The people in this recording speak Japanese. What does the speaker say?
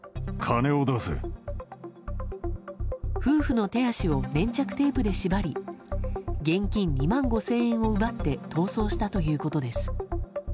夫婦の手足を粘着テープで縛り現金２万５０００円を奪って逃走したということです。